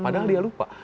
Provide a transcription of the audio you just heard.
padahal dia lupa